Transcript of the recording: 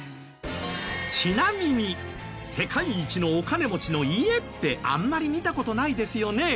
ちなみに世界一のお金持ちの家ってあんまり見た事ないですよね。